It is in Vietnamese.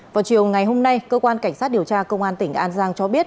vào chiều ngày hôm nay cơ quan cảnh sát điều tra công an tỉnh an giang cho biết